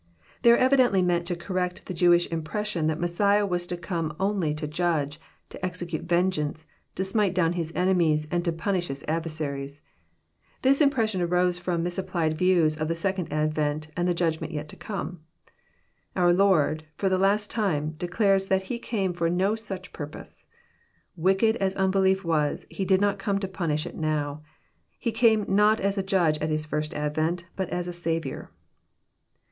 They are evidently meant to correct the Jewish im pression that Messiah was to come only to Judge, to execute ven geance, to smite down His enemies, and to punish His adver saries. This impression arose from misapplied views of the Second Advent and the Judgment yet to come. Our Lord, for the last time, declares that He came for no such purpose. Wicked as unbelief was, He did not come to punish It now. He came not as a Judge at His First Advent, but as a Saviour.